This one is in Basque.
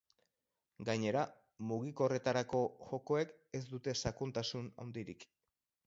Gainera, mugikorretarako jokoek ez dute sakontasun handirik.